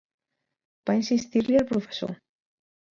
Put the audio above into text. Va insistir-li el professor?